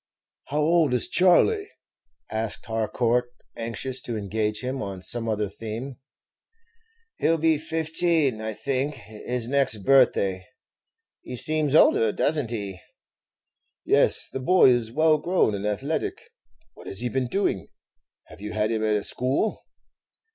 "How old is Charley?" asked Harcourt, anxious to engage him on some other theme. "He 'll be fifteen, I think, his next birthday; he seems older, does n't he?" "Yes, the boy is well grown and athletic. What has he been doing have you had him at a school?"